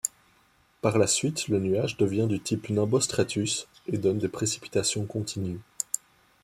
Par la suite le nuage devient du type nimbostratus et donne des précipitations continues.